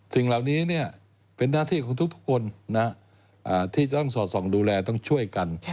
สิ่งเหล่านี้เป็นหน้าที่ของทุกคนที่จะต้องสอดส่องดูแลต้องช่วยกัน